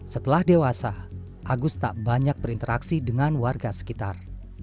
setelah dewasa agus tak banyak berinteraksi dengan warga sekitar